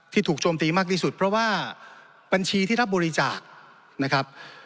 ถูกโจมตีมากที่สุดเพราะว่าบัญชีที่รับบริจาคนะครับ